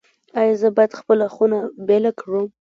ایا زه باید خپله خونه بیله کړم؟